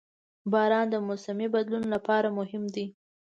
• باران د موسمي بدلون لپاره مهم دی.